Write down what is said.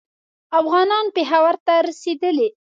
افغانان پېښور ته رسېدلي.